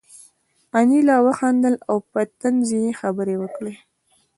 انیلا وخندل او په طنز یې خبرې وکړې